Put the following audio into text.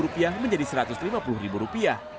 rp lima puluh menjadi rp satu ratus lima puluh